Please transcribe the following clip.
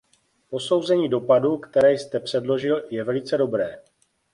Posouzení dopadu, které jste předložil, je velice dobré.